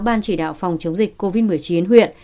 ban chỉ đạo phòng chống dịch covid một mươi chín huyện